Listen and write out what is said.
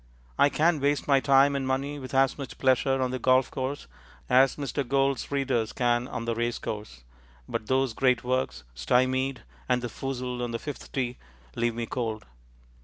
I can waste my time and money with as much pleasure on the golf course as Mr. Gould's readers can on the race course, but those great works, Stymied and The Foozle on the Fifth Tee, leave me cold.